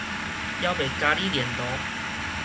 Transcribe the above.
猶未咖哩嗹囉